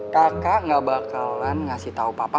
kakak gak bakalan ngasih tahu papa